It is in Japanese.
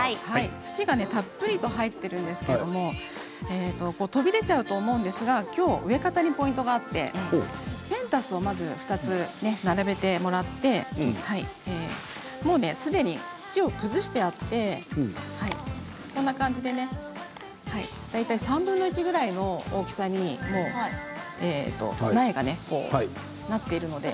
土がたっぷり入っているんですけれど飛び出てしまうと思うんですがきょうは植え方にポイントがあってペンタスを２つ並べてもらってもうすでに土を崩してあって大体３分の１くらいの大きさに苗がなっているので。